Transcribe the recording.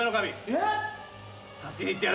えっ！？